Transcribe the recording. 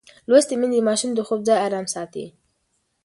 لوستې میندې د ماشومانو د خوب ځای ارام ساتي.